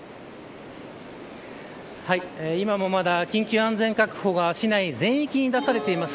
今もなお緊急安全確保が市内全域に出されています。